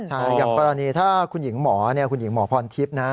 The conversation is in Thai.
ใช่อย่างกรณีถ้าคุณหญิงหมอคุณหญิงหมอพรทิพย์นะ